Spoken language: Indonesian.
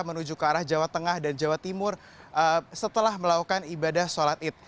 menuju ke arah jawa tengah dan jawa timur setelah melakukan ibadah sholat id